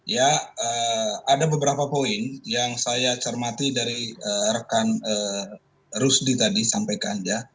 ya ada beberapa poin yang saya cermati dari rekan rusdi tadi sampaikan ya